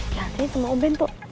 jantinya sama om bento